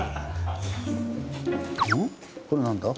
これ何だ？